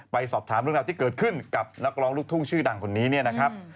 ไปสอบถามเรื่องราวที่เกิดขึ้นกับนักร้องลูกทุ่งชื่อดังคนนี้เนี่ยนะครับ